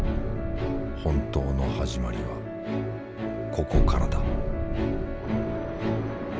本当の始まりはここからだ